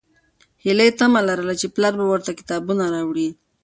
هیلې تمه لرله چې پلار به ورته کتابونه راوړي.